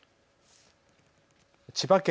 千葉県